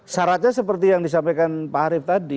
syaratnya seperti yang disampaikan pak arief tadi